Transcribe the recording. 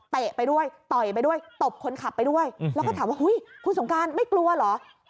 ไปด้วยต่อยไปด้วยตบคนขับไปด้วยแล้วก็ถามว่าคุณสงการไม่กลัวเหรอ